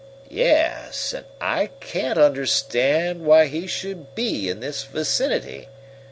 "Yes, and I can't understand why he should be in this vicinity.